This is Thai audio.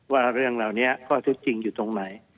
ว่าเรื่องเหล่านี้ข้อเท็จจริงอยู่ตรงไหน